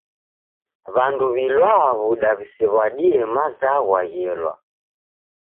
W'andu w'ilwaa w'uda w'isew'adie mazwagha ghelwa.